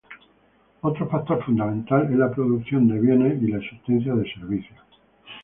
Otro factor fundamental es la producción de bienes y la existencia de servicios.